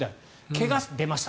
怪我。出ました。